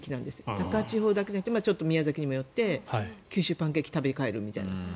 高千穂だけじゃなくてちょっと宮崎に寄って九州パンケーキを食べて帰るみたいな。